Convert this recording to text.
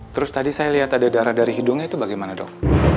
terus tadi saya lihat ada darah dari hidungnya itu bagaimana dok